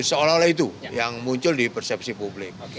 seolah olah itu yang muncul di persepsi publik